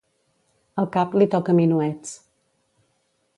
El cap li toca minuets.